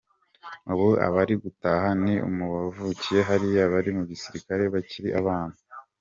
Ubu abari gutaha ni mu bavukiye hariya bagiye mu gisirikare bakiri abana.